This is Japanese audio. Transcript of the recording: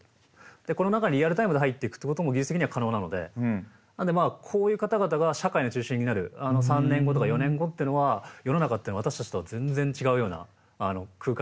この中にリアルタイムで入っていくってことも技術的には可能なのでこういう方々が社会の中心になる３年後とか４年後っていうのは世の中っていうのは私たちとは全然違うような空間になっていくんじゃないかなと思ってます。